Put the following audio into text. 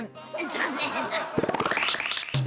残念。